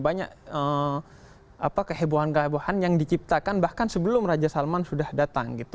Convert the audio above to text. banyak kehebohan kehebohan yang diciptakan bahkan sebelum raja salman sudah datang gitu